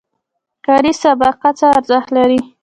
کاري سابقه څه ارزښت لري؟